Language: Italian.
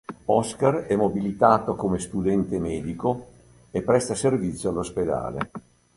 Oscar è mobilitato come studente medico e presta servizio all'ospedale.